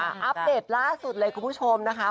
อัปเดตล่าสุดเลยคุณผู้ชมนะคะ